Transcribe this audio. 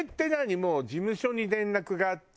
もう事務所に連絡があって。